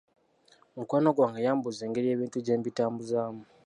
Mukwano gwange yambuuza engeri ebintu gye mbitambuzaamu.